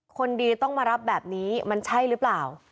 คนดีต้องมารับแบบนี้มันใช่หรือเปล่า